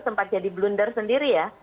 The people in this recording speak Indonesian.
sempat jadi blunder sendiri ya